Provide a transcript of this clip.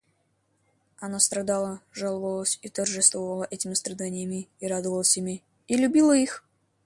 Она страдала, жаловалась и торжествовала этими страданиями, и радовалась ими, и любила их.